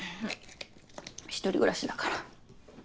一人暮らしだから。